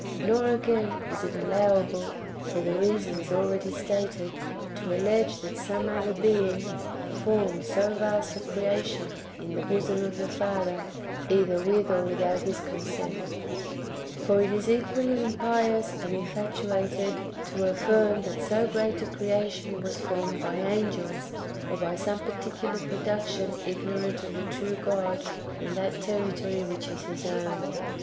Nor, again, is it allowable, for the reasons^ already stated, to allege that some other being formed so vast a creation in the bosom of the Father, either with or without His consent. For it is equally impious and infatuated to ^ Sec above, chap. ii. and v. 142 IUENjEUS against HERESIES. [Book il affirm that so great a creation Avas^ formed by angels, or by some particular production ignorant of the true God in that territory which is His own.